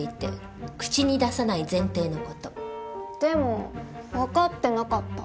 でも分かってなかった。